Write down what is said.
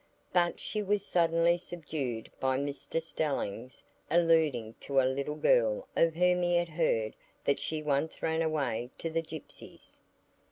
But she was suddenly subdued by Mr Stelling's alluding to a little girl of whom he had heard that she once ran away to the gypsies.